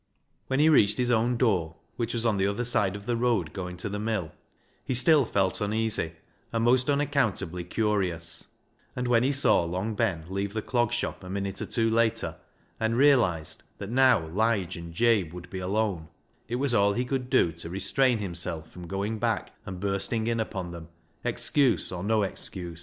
When he reached his own door, which was on the other side of the road going to the mill, he still felt uneasy, and most unaccountably curious, and when he saw Long Ben leave the Clog Shop a minute or two later, and realised that now Lige and Jabe would be alone, it was all he could do to restrain himself from going back and bursting in upon them, excuse or no excuse.